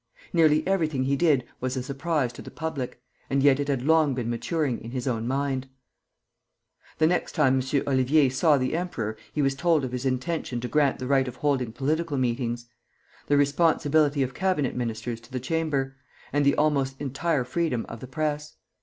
Nearly everything he did was a surprise to the public, and yet it had long been maturing in his own mind. The next time M. Ollivier saw the emperor he was told of his intention to grant the right of holding political meetings; the responsibility of cabinet ministers to the Chamber; and the almost entire freedom of the Press.